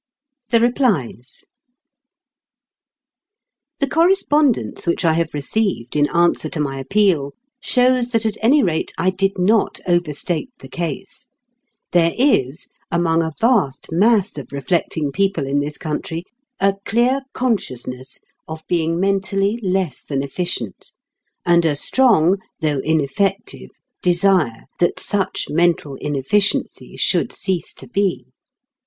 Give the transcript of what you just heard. THE REPLIES The correspondence which I have received in answer to my appeal shows that at any rate I did not overstate the case. There is, among a vast mass of reflecting people in this country, a clear consciousness of being mentally less than efficient, and a strong (though ineffective) desire that such mental inefficiency should cease to be.